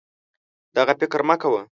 دغه فکر مه کوه